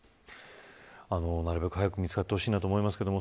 なるべく早く見つかってほしいと思います。